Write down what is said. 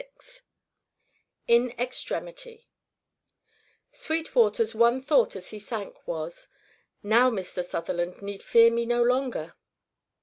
XXV IN EXTREMITY Sweetwater's one thought as he sank was, "Now Mr. Sutherland need fear me no longer."